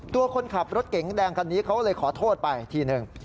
ตัวคนขับรถเก๋งแดงคันนี้เขาเลยขอโทษไปทีหนึ่ง